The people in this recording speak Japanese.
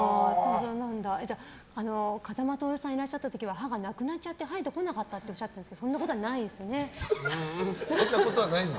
じゃあ、風間トオルさんがいらっしゃった時は歯がなくなっちゃって生えてこなかったとおっしゃってたんですけどそんなことはないですね。